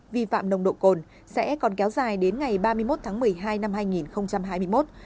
vi phạm nồng độ cồn sẽ còn kéo dài đến ngày ba mươi một tháng một mươi hai năm hai nghìn hai mươi một